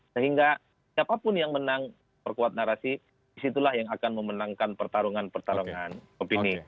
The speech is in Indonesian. sehingga siapapun yang menang perkuat narasi disitulah yang akan memenangkan pertarungan pertarungan opini